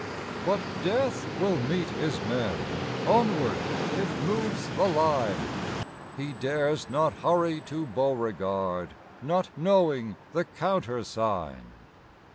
but death will meet his men, Onward if moves the line: He dares not hurry to Beauregard, Not knowing the countersign.